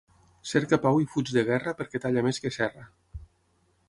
Cerca pau i fuig de guerra perquè talla més que serra.